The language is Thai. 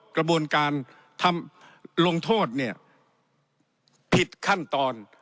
กระบวนการทำลงโทษเนี่ยผิดขั้นตอน